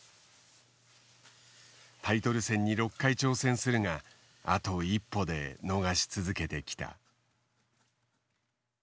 タイトル戦に６回挑戦するがあと一歩で逃し続けてきた。